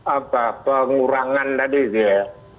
apa pengurangan tadi ya